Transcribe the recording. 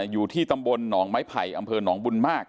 อยู่ที่ตำบลหนองไม้ไผ่อำเภอหนองบุญมาก